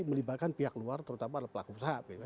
melibatkan pihak luar terutama adalah pelaku usaha